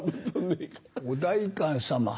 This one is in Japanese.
お代官様